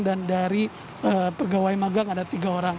dan dari pegawai magang ada tiga orang